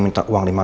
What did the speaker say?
ini wawan teman lo